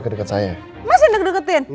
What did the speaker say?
gak kamu yang deketin